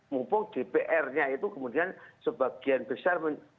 mumpung dpr nya itu kemudian sebagian besar memberikan dukungan